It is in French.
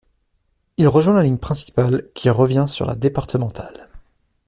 Il rejoint la ligne principale qui revient sur la départementale.